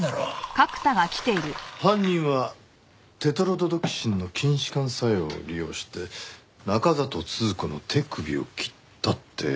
犯人はテトロドトキシンの筋弛緩作用を利用して中郷都々子の手首を切ったって事ですかね？